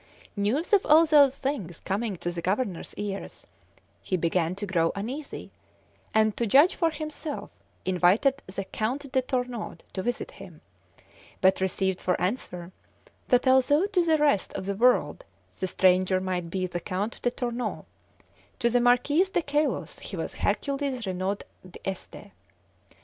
News of all these things coming to the Governor's ears, he began to grow uneasy, and, to judge for himself, invited the "Count de Tarnaud" to visit him; but received for answer, that although to the rest of the world the stranger might be the Count de Tarnaud, to the Marquis de Caylus he was Hercules Renaud d'Este.